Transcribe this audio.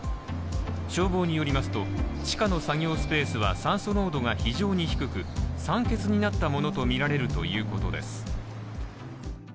消防によりますと、地下の作業スペースは酸素濃度が非常に低く酸欠になったものとみられるということです。